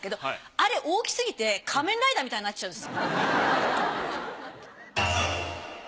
あれ大きすぎて仮面ライダーみたいになっちゃうんです。